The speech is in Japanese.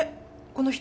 この人。